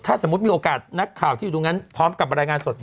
ถ้าสมมุติมีโอกาสนักข่าวที่อยู่ตรงนั้นพร้อมกับบรรยายงานสด